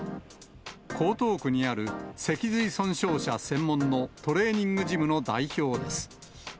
江東区にある脊髄損傷者専門のトレーニングジムの代表です。